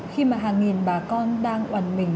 khi mà hàng nghìn bà con đang quằn mình